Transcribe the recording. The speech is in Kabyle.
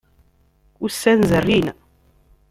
Ussan zerrin.